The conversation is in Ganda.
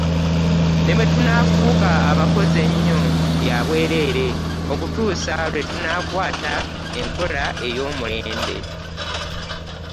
Ne bwe tufuuka abakozi ennyo bya bwerere okutuusa lwe tunaakwata enkola ey'omulembe.